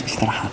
lu juga duduk